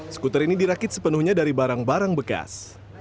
skuter ini dirakit sepenuhnya dari barang barang bekas